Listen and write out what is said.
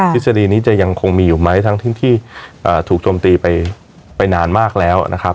ฤษฎีนี้จะยังคงมีอยู่ไหมทั้งที่ถูกโจมตีไปนานมากแล้วนะครับ